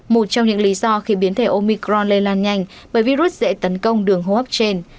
một trong những lý do khiến biến thể omicron lây lan nhanh bởi virus dễ tấn công đường hô hấp trên